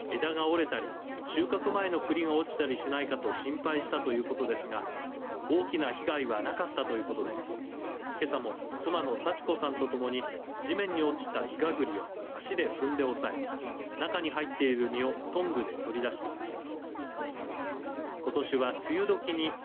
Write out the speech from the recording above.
國谷さんによりますと収穫の時期を迎えたばかりのところに台風１４号が接近したため枝が折れたり収穫前のくりが落ちたりしないかと心配したということですが大きな被害はなかったということで、けさも妻の幸子さんとともに地面に落ちたいがぐりを足で踏んで押さえ中に入っている実をトングで取り出していました。